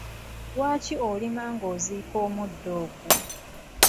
lwaki olima ng'oziika omuddo ogwo?